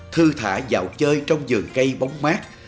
thư thả dạo chơi trong giường cây bóng mát